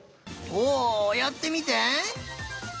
おやってみて。